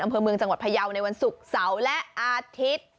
อำเภอเมืองจังหวัดพยาวในวันศุกร์เสาร์และอาทิตย์